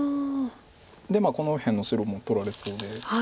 でこの右辺の白も取られそうで。